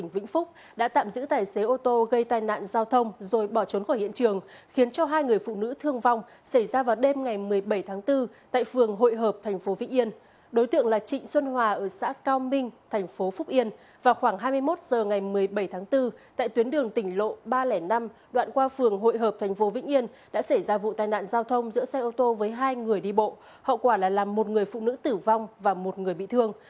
vào khoảng hai mươi một h ngày một mươi bảy tháng bốn tại tuyến đường tỉnh lộ ba trăm linh năm đoạn qua phường hội hợp tp vĩnh yên đã xảy ra vụ tai nạn giao thông giữa xe ô tô với hai người đi bộ hậu quả là làm một người phụ nữ tử vong và một người bị thương